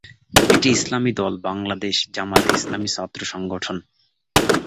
এটি ইসলামী দল বাংলাদেশ জামায়াতে ইসলামীর ছাত্র সংগঠন।